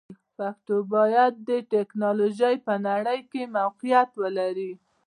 پښتو باید د ټکنالوژۍ په نړۍ کې موقعیت ولري.